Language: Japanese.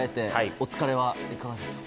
お疲れは、いかがですか？